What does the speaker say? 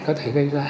có thể gây ra